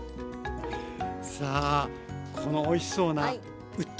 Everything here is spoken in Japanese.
さあこのおいしそうなうっ